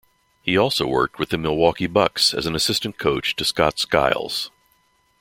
He also worked with the Milwaukee Bucks as an assistant coach to Scott Skiles.